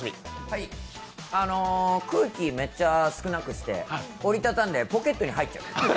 空気、めっちゃ少なくして折り畳んでポケットに入っちゃう。